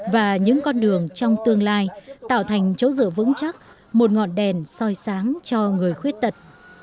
và những con đường trong tương lai tạo thành chấu rượu vững chắc một ngọn đèn soi sáng cho người khuyết tật